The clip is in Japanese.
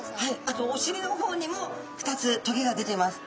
あとおしりの方にも２つとげが出てます。